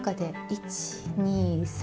１２３。